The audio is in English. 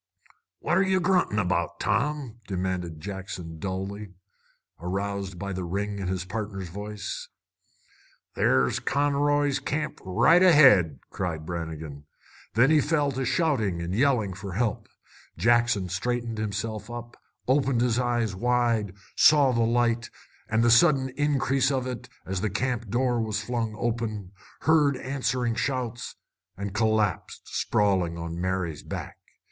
"What're ye gruntin' about, Tom?" demanded Jackson dully, aroused by the ring in his partner's voice. "There's Conroy's Camp right ahead!" cried Brannigan. Then he fell to shouting and yelling for help. Jackson straightened himself, opened his eyes wide, saw the light, and the sudden increase of it as the camp door was flung open, heard answering shouts, and collapsed sprawling on Mary's back.